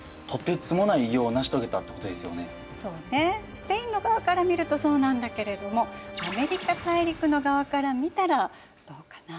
スペインの側から見るとそうなんだけれどもアメリカ大陸の側から見たらどうかな？